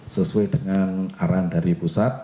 sesuai dengan arahan dari pusat